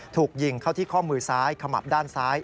ถูกยิงเข้าที่ข้อมือซ้ายขมับด้านซ้าย